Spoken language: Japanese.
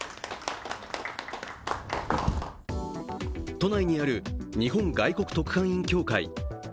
都内にある日本外国特派員協会。